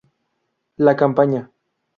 La campaña.